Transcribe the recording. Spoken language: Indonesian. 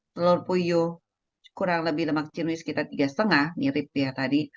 telur puyuh kurang lebih lemak jenuh sekitar tiga lima mirip ya tadi